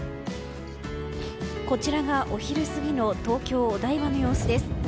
こちらがお昼過ぎの東京・お台場の様子です。